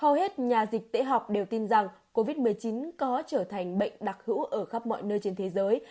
hầu hết nhà dịch tễ học đều tin rằng covid một mươi chín có trở thành bệnh đặc hữu ở khắp mọi nơi trên thế giới